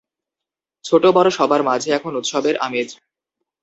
ছোট বড় সবার মাঝে এখন উৎসবের আমেজ।